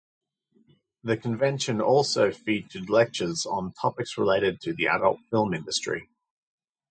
The convention also featured lectures on topics related to the adult film industry.